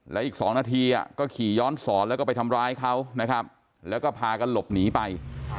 แล้วอีก๒นาทีก็ขี่ย้อนสอนแล้วก็ไปทำร้ายเขานะครับแล้วก็พากันหลบหนีไป